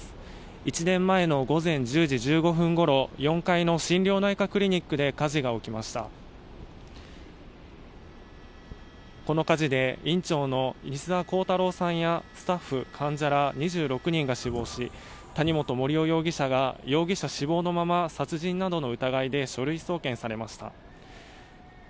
１年前の午前１０時１５分ごろ４階の心療内科クリニックで火事が起きましたこの火事で院長の西澤弘太郎さんやスタッフ、患者ら２６人が死亡し谷本盛雄容疑者が容疑者死亡のまま殺人などの疑いで書類送検されました